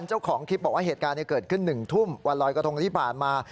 เห็นหนึ่งทุ่มวันลอยกระทงที่ผ่านมา